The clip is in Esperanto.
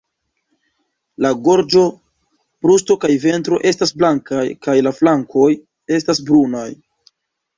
La gorĝo, brusto kaj ventro estas blankaj, kaj la flankoj estas brunaj.